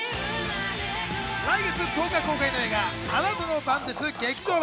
来月１０日公開の映画『あなたの番です劇場版』。